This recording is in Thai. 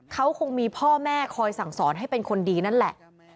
เขาคงมีพ่อแม่คอยสั่งสอนให้เป็นคนดีนั่นแหละ